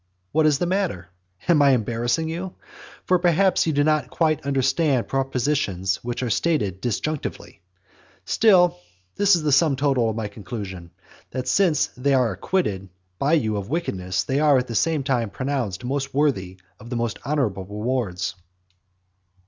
What is the matter? Am I embarrassing you? For perhaps you do not quite understand propositions which are stated disjunctively. Still this is the sum total of my conclusion; that since they are acquitted by you of wickedness, they are at the same time pronounced most worthy of the very most honourable rewards.